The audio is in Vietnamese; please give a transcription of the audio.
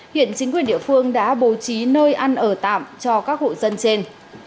hiện chính quyền địa phương đã bố trí nơi ăn ở tạm cho các hộ dân trên